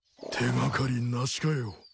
手掛かりなしかよ。